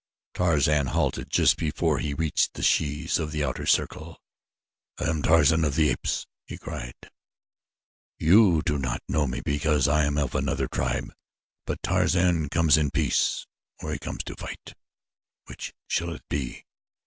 Tarzan halted just before he reached the shes of the outer circle. "I am Tarzan of the Apes!" he cried. "You do not know me because I am of another tribe, but Tarzan comes in peace or he comes to fight which shall it be?